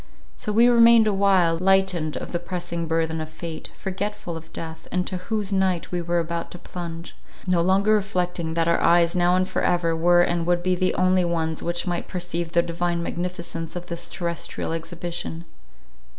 So we remained awhile, lightened of the pressing burthen of fate, forgetful of death, into whose night we were about to plunge; no longer reflecting that our eyes now and for ever were and would be the only ones which might perceive the divine magnificence of this terrestrial exhibition.